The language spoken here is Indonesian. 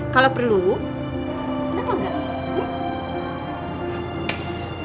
kalau perlu kenapa enggak